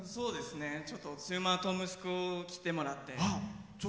ちょっと妻と息子来てもらって。